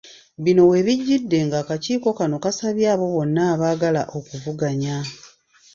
Bino we bijjidde ng’akakiiiko kano kasabye abo bonna abaagala okuvuganya.